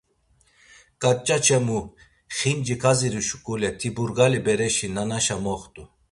Ǩaç̌a Ç̌emu xinci kaziru şuǩule ti burgali bereşi nanaşa moxt̆u.